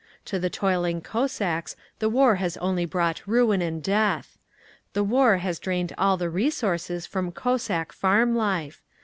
To the toiling Cossacks the war has only brought ruin and death. The war has drained all the resources from Cossack farm life.